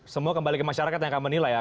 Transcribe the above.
semua kembali ke masyarakat yang akan menilai ya